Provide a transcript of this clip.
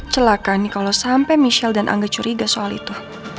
celaka nih kalau sampai michelle dan angga curiga soal itu